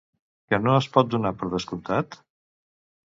Què no es pot donar per descomptat?